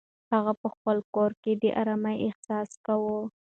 هغه په خپل کور کې د ارامۍ احساس کاوه.